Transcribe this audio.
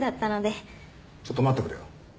ちょっと待ってくれよ。